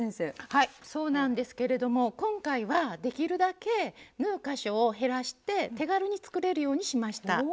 はいそうなんですけれども今回はできるだけ縫う箇所を減らして手軽に作れるようにしました。